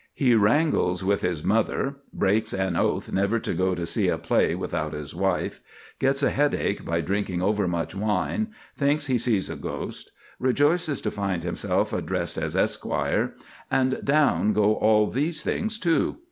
He wrangles with his mother; breaks an oath never to go to see a play without his wife; gets a headache by drinking overmuch wine; thinks he sees a ghost; rejoices to find himself addressed as Esquire;—and down go all these things, too.